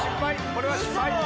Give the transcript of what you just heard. これは失敗。